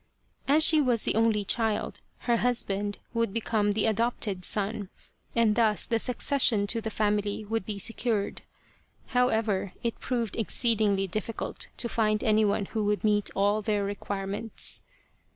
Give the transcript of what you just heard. As she was the only child, her husband would become the adopted son, and thus the succession to the family would be secured. However, it proved exceedingly difficult to find anyone who would meet all their requirements.